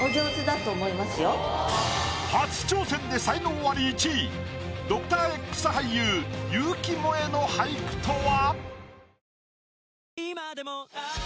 初挑戦で才能アリ１位「ドクターＸ」俳優結城モエの俳句とは？